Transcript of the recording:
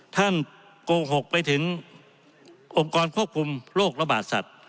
โกหกไปถึงองค์กรควบคุมโรคระบาดสัตว์